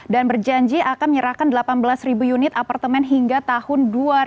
dan berjanji akan menyerahkan delapan belas unit apartemen hingga tahun dua ribu dua puluh tujuh